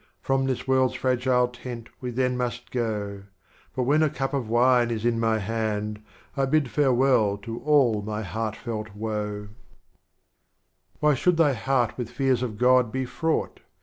From this World's Fragile Tent we then must go, But when a Cup of Wine is in my hand, I bid farewell to all my heartfelt Woe. 43 Strophes of Omar Khayyam. XVI. Why should Thy Heart with Fears of God be fraught?